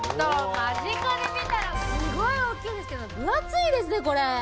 間近で見たらすごい大きいんですけど分厚いですねこれ。